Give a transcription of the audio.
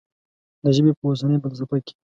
د ژبې په اوسنۍ فلسفه کې.